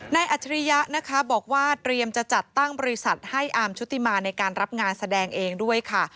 อัจฉริยะนะคะบอกว่าเตรียมจะจัดตั้งบริษัทให้อาร์มชุติมาในการรับงานแสดงเองด้วยค่ะ